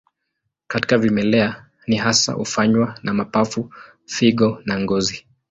Katika vimelea, hii hasa hufanywa na mapafu, figo na ngozi.